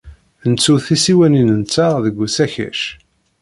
Nettu tisiwanin-nteɣ deg usakac.